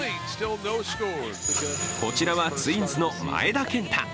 こちらはツインズの前田健太。